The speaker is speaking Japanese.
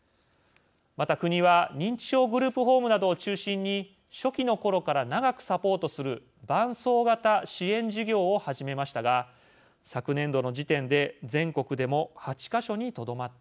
また国は認知症グループホームなどを中心に初期のころから長くサポートする伴走型支援事業を始めましたが昨年度の時点で全国でも８か所にとどまっています。